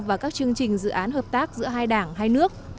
và các chương trình dự án hợp tác giữa hai đảng hai nước